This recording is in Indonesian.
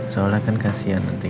soalnya kan kasihan nanti